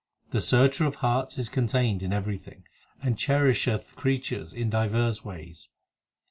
The Searcher of hearts is contained in everything, And cherisheth creatures in divers ways.